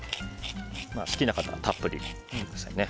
好きな方はたっぷり入れてくださいね。